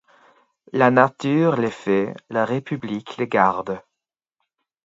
La nature les fait, la république les garde.